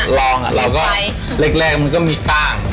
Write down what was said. เราก็แรกมันก็มีกล้าง